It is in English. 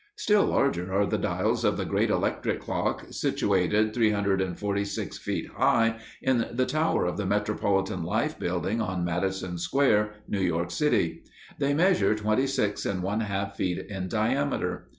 Still larger are the dials of the great electric clock, situated 346 feet high, in the tower of the Metropolitan Life Building, on Madison Square, New York City. They measure twenty six and one half feet in diameter.